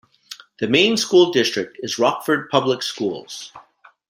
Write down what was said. The main school district is Rockford Public Schools.